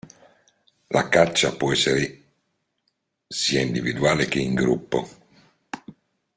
La caccia può essere sia individuale che in gruppo.